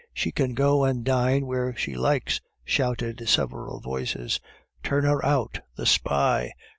"She can go and dine where she likes," shouted several voices. "Turn her out, the spy!"